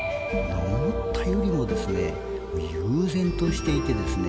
思ったよりもですね悠然としていてですね